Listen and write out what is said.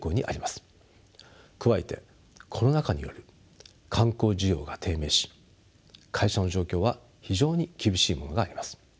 加えてコロナ禍により観光需要が低迷し会社の状況は非常に厳しいものがあります。